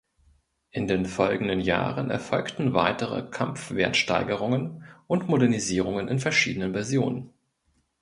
In den folgenden Jahren erfolgten weitere Kampfwertsteigerungen und Modernisierungen in verschiedenen Versionen.